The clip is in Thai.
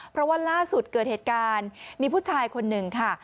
เพราะว่าล่าสุดเกิดเหตุการณ์มีผู้ชายคนหนึ่งค่ะ